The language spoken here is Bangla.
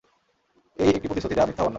এই একটি প্রতিশ্রুতি যা মিথ্যা হবার নয়।